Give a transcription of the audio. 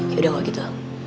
yaudah kok gitu